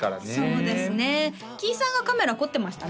そうですねキイさんがカメラ凝ってましたね